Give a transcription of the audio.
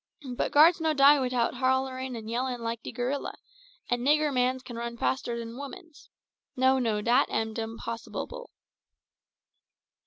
But guards no die widout hollerin' an' yellerin' like de gorilla; an' nigger mans can run fasterer dan womans. No, no, dat am dumpossobable."